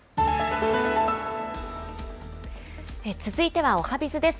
続いては、おはＢｉｚです。